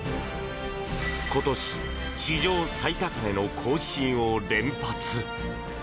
今年、史上最高値の更新を連発。